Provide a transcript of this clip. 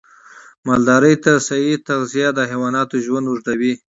مالدارۍ ته صحي تغذیه د حیواناتو ژوند اوږدوي.